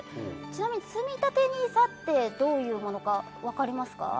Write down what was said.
ちなみにつみたてＮＩＳＡってどういうものか分かりますか？